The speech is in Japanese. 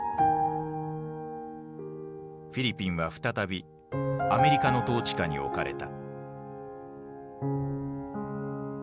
フィリピンは再びアメリカの統治下に置かれた。